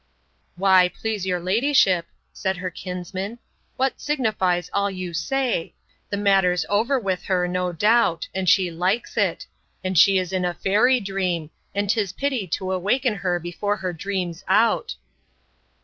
Why, please your ladyship, said her kinsman, what signifies all you say? The matter's over with her, no doubt; and she likes it; and she is in a fairy dream, and 'tis pity to awaken her before her dream's out.